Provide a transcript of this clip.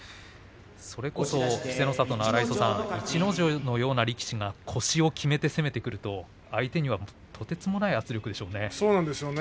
それこそ荒磯さん逸ノ城のような力士が腰をきめて攻めてくると相手には、とてつもない圧力でしょうね。